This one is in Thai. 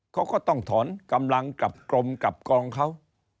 เขาก็ต้องถอนกำลังกลับกรมกับกองเขา